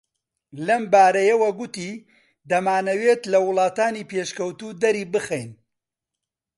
لەمبارەیەوە گوتی دەمانەوێت لە وڵاتانی پێشکەوتوو دەری بخەین